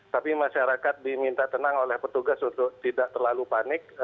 tapi masyarakat diminta tenang oleh petugas untuk tidak terlalu panik